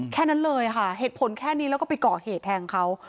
แค่นั้นเลยค่ะเหตุผลแค่นี้แล้วก็ไปก่อเหตุแทงเขา